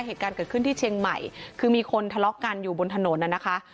เหตุการณ์เกิดขึ้นที่เชียงใหม่คือมีคนทะเลาะกันอยู่บนถนนน่ะนะคะ